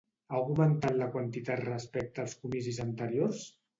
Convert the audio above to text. Ha augmentat la quantitat respecte als comicis anteriors?